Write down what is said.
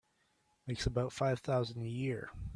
Makes about five thousand a year.